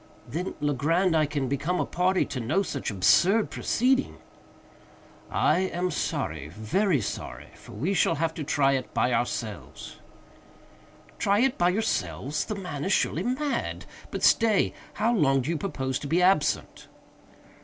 "Then, Legrand, I can become a party to no such absurd proceeding." "I am sorry—very sorry—for we shall have to try it by ourselves." "Try it by yourselves! The man is surely mad!—but stay!—how long do you propose to be absent?"